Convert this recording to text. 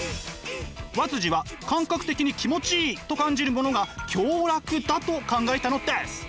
和は感覚的に気持ちいいと感じるものが享楽だと考えたのです。